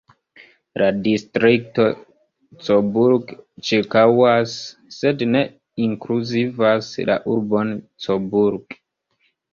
La distrikto Coburg ĉirkaŭas, sed ne inkluzivas la urbon Coburg.